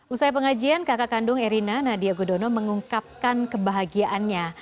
usai pengajian kakak kandung erina nadia gudono mengungkapkan kebahagiaannya